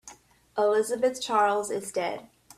Elizabeth Charles is dead.